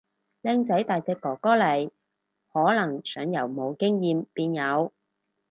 靚仔大隻哥哥嚟，可能想由冇經驗變有